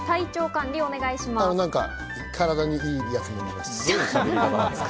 体にいいやつ飲みます。